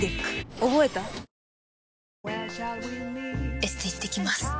エステ行ってきます。